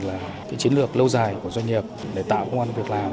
là cái chiến lược lâu dài của doanh nghiệp để tạo công an việc làm